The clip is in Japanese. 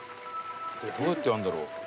どうやってやるんだろう？